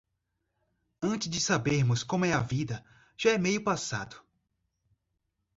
Antes de sabermos como é a vida, já é meio passado.